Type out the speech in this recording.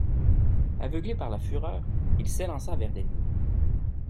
Aveuglé par la fureur, il s'élança vers l'ennemi.